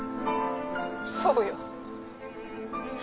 そうよ。